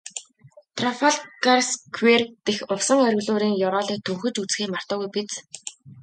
Трафальгарсквер дэх усан оргилуурын ёроолыг төнхөж үзэхээ мартаагүй биз?